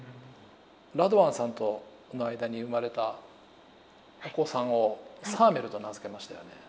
ラドワンさんとの間に生まれたお子さんをサーメルと名付けましたよね。